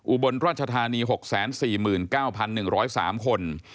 อุบลราชธานี๖๔๙๑๐๓คน